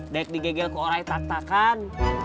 daek digegel ke orai tatta kan